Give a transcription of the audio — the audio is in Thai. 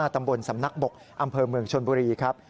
ตำบลสำนักบกอำเภอเมืองชนบุรีครับ